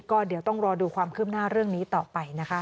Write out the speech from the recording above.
ก็เดี๋ยวต้องรอดูความคืบหน้าเรื่องนี้ต่อไปนะคะ